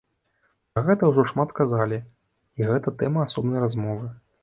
Пра гэта ўжо шмат казалі, і гэта тэма асобнай размовы.